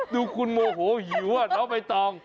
ดูคุณโมโหหิวอ่ะน้องใบตอง